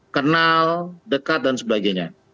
kenal dekat dan sebagainya